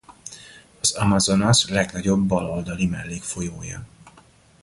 Az Amazonas legnagyobb bal oldali mellékfolyója.